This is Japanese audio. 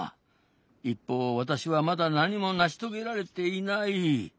一方私はまだ何も成し遂げられていない。